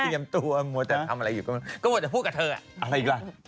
มาแล้วไม่ทันเตรียมตัวหมวดจะทำอะไรอยู่ก็หมวดจะพูดกับเธออะไรอีกละ